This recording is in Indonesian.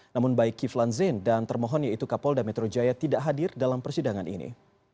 namun baik kiflan zain dan termohon yaitu kapolda metro jaya tidak hadir dalam persidangan ini